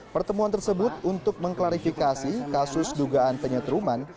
pertemuan tersebut untuk mengklarifikasi kasus dugaan penyetruman